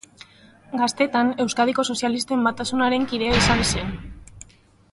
Gaztetan Euskadiko Sozialisten Batasunaren kidea izan zen.